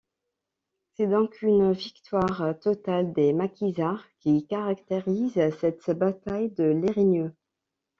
C'est donc une victoire totale des maquisards qui caractérise cette bataille de Lérigneux.